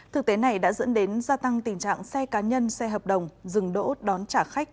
thực tế này đã dẫn đến gia tăng tình trạng xe cá nhân xe hợp đồng dừng đỗ đón trả khách